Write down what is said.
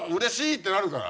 ってなるから。